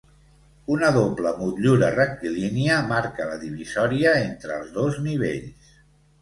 Una doble motllura rectilínia marca la divisòria entre els dos nivells.